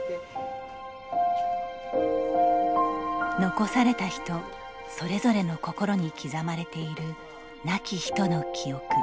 残された人、それぞれの心に刻まれている亡き人の記憶。